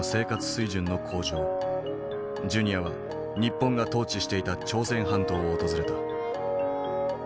ジュニアは日本が統治していた朝鮮半島を訪れた。